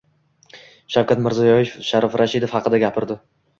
Shavkat Mirziyoyev Sharof Rashidov haqida gapirdi